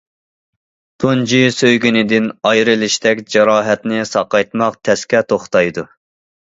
تۇنجى سۆيگىنىدىن ئايرىلىشتەك جاراھەتنى ساقايتماق تەسكە توختايدۇ.